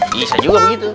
bisa juga begitu